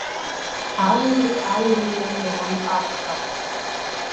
Ауаҩреи ауаҩымреи рҟнытә акәхап.